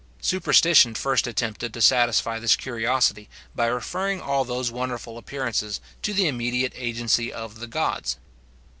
Superstition first attempted to satisfy this curiosity, by referring all those wonderful appearances to the immediate agency of the gods.